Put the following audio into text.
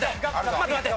待って待って。